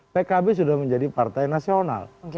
pkb sudah menjadi partai nasional